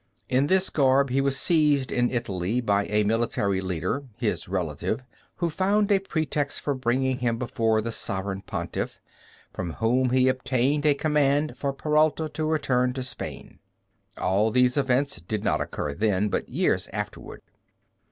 In this garb he was seized in Italy by a military leader, his relative, who found a pretext for bringing him before the Sovereign Pontiff, from whom he obtained a command for Peralta to return to Spain. All these events did not occur then, but years afterward.